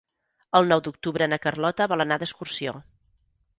El nou d'octubre na Carlota vol anar d'excursió.